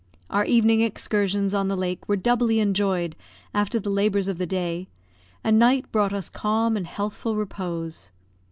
Our evening excursions on the lake were doubly enjoyed after the labours of the day, and night brought us calm and healthful repose.